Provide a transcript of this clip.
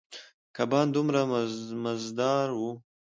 کبان دومره مزدار ووـ.